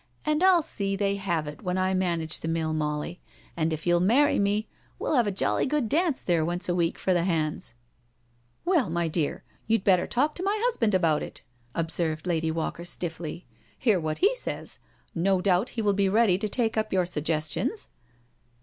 " And I'll see they have it when I manage the mill, Molly, and if you'll marry me, we'll have a jolly good dance there once a week for the • hands.' "" Well, my dear, you'd better talk to my husband s^bout it," observed Lady Walker stifily. " Hear what BRACKENHILL HALL 43 he says— no doubt he will be ready to take up your suggestions."